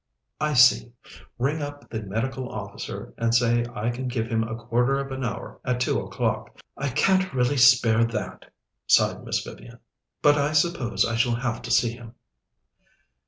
"I see. Ring up the Medical Officer and say I can give him a quarter of an hour at two o'clock. I can't really spare that," sighed Miss Vivian, "but I suppose I shall have to see him."